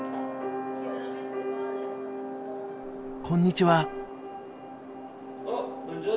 こんにちは。